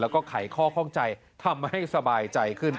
แล้วก็ไขข้อข้องใจทำให้สบายใจขึ้น